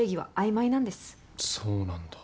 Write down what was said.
そうなんだ。